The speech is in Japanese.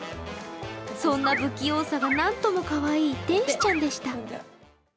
そんな不器用さがなんともかわいらしいぽん吉君でした。